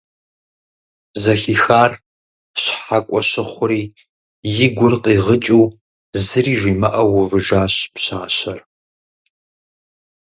Зэхихар щхьэкӀуэ щыхьури, и гур къигъыкӀыу, зыри жимыӀэу увыжащ пщащэр.